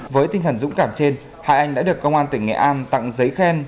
với tinh thần dũng cảm trên hai anh đã được công an tỉnh nghệ an tặng giấy khen